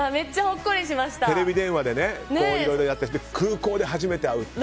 テレビ電話でねいろいろやって空港で初めて会うって。